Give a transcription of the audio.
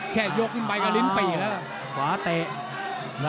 แค่ยูนไปกับลิ้นปีแล้ว